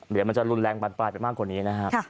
เดี๋ยวมันจะรุนแรงบานปลายไปมากกว่านี้นะครับ